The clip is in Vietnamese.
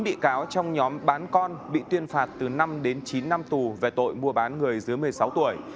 hai mươi chín bị cáo trong nhóm bán con bị tuyên phạt từ năm đến chín năm tù về tội mua bán người dưới một mươi sáu tuổi